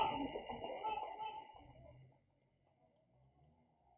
มั่วกซ่อนลูกได้ได้เองนะครับ